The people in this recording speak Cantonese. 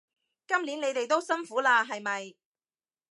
今年你哋都辛苦喇係咪？